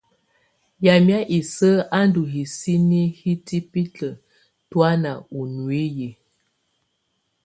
Yamɛ̀á isǝ́ á ndù hisini hitibilǝ tɔ̀ána ù nuiyi.